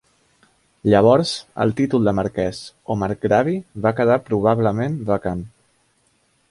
Llavors el títol de marquès o marcgravi va quedar probablement vacant.